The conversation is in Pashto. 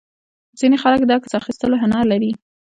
ځینې خلک د عکس اخیستلو هنر لري.